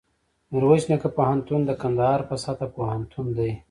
میرویس نیکه پوهنتون دکندهار په سطحه پوهنتون دی